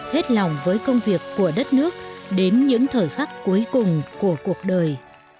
hết lòng với công việc của đất nước đến những thời khắc cuối cùng của cuộc đời